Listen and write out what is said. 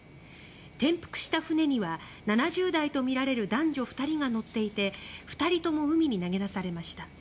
転覆した船には７０代とみられる男女２人が乗っていて２人とも海に投げ出されました。